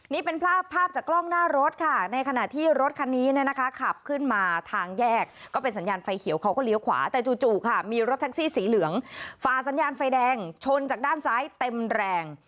นี่เป็นภาพภาพจากกล้องหน้ารถค่ะในขณะที่รถคันนี้เนี่ยนะคะขับขึ้นมาทางแยกก็เป็นสัญญาณไฟเขียวเขาก็เลี้ยวขวาแต่จู่ค่ะมีรถแท็กซี่สีเหลืองฝ่าสัญญาณไฟแดงชนจากด้านซ้ายเต็มแรง